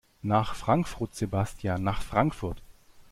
Nach Frankfrut Sebastian, nach Frankfurt!